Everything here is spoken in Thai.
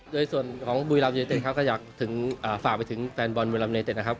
โดยส่วนของบุยรำเนเตศครับก็อยากฝากไปถึงแฟนบอลบุยรำเนเตศนะครับ